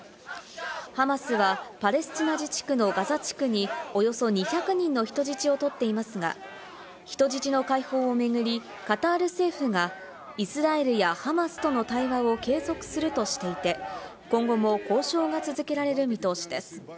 ハマスはパレスチナ自治区のガザ地区におよそ２００人の人質をとっていますが、人質の解放を巡り、カタール政府がイスラエルやハマスとの対話を継続するとしていて、今後も交渉が続けられる見通しです。